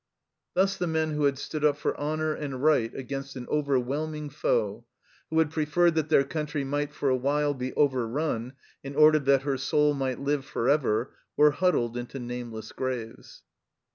Thus the men who had stood up for honour and right against an over whelming foe, who had preferred that their country might for a while be overrun in order that her soul might live for ever, were huddled into nameless graves.